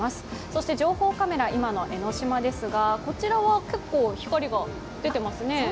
そして情報カメラ、今の江の島ですがこちらは、結構光が出ていますね。